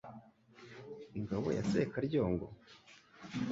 Ingabo ya Sekaryongo !